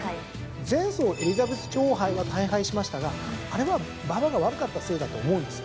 前走エリザベス女王杯は大敗しましたがあれは馬場が悪かったせいだと思うんですよ。